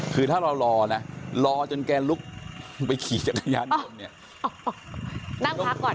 คือถ้าเรารอนะรอจนแกลุกไปขี่จักรยานยนต์เนี่ยนั่งพักก่อน